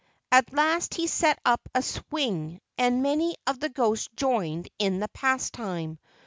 At last he set up a swing and many of the ghosts joined in the pastime.